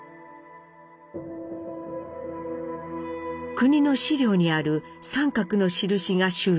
国の資料にある三角の印が収容所。